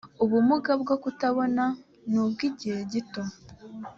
ubumuga bwo kutabona ni ubw’igihe gito